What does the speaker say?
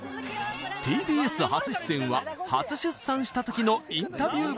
ＴＢＳ初出演は初出産した時のインタビュー